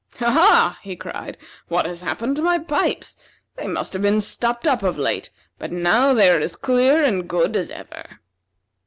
"Ha! ha!" he cried, "what has happened to my pipes? They must have been stopped up of late, but now they are as clear and good as ever."